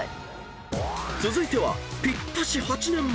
［続いてはぴったし８年前］